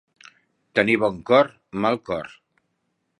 Tenir bon cor, mal cor.